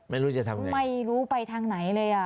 ไม่รู้ไปทางไหนเลย